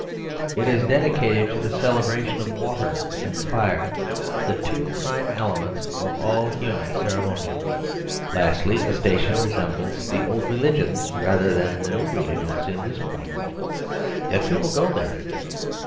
It is dedicated to the celebration of water and fire the two prime elements of all human ceremonial. Lastly, a station resembles the old religions rather than the new religions in this point, that people go there.